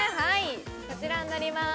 こちらになります